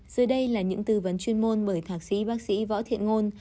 dưới đây là những tư vấn chuyên môn bởi thạc sĩ bác sĩ võ thiện ngôn